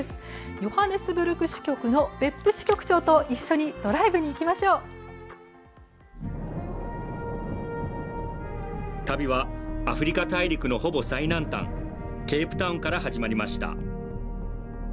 ヨハネスブルク支局の別府支局長と一緒に旅はアフリカ大陸のほぼ最南端ケープタウンから始まりました。